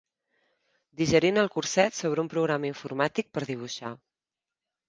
Digerint el curset sobre un programa informàtic per dibuixar.